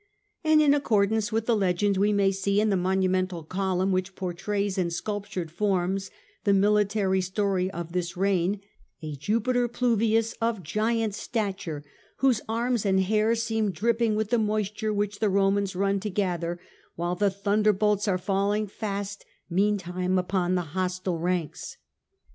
And in accordance with the legend we may see on the monumental column, which pourtrays in sculptured forms the military story of this reign, a Jupiter Pluvius of giant stature whose arms and hair seem drip ping with the moisture which the Romans run to gather, while the thunderbolts are falling fast meantime upon the hostile ranks.